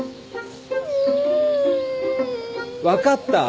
分かった！